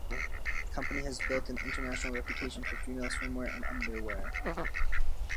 The company has built an international reputation for female swimwear and underwear.